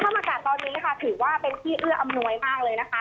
อากาศตอนนี้ค่ะถือว่าเป็นที่เอื้ออำนวยมากเลยนะคะ